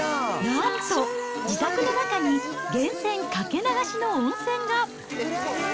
なんと、自宅の中に源泉掛け流しの温泉が。